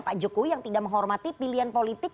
pak jokowi yang tidak menghormati pilihan politik